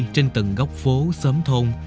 trên từng góc phố xóm thôn